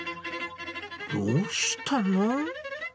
どうしたの？